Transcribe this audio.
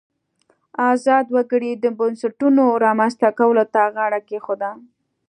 ازاد وګړي د بنسټونو رامنځته کولو ته غاړه کېښوده.